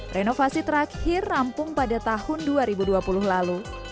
renovasi terakhir rampung pada tahun dua ribu dua puluh lalu